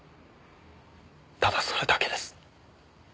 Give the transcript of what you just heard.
ただそれだけです。